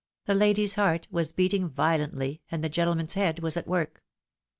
The lady's heart was beating violently, and the gentleman's head was at work.